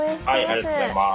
ありがとうございます。